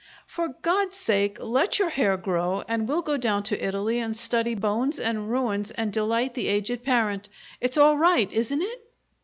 For God's sake, let your hair grow, and we'll go down to Italy and study bones and ruins and delight the aged parent! It's all right, isn't it?"